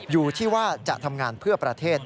อยู่ที่ว่าจะทำงานเพื่อประเทศ